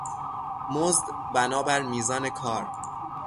مزد بنابر میزان کار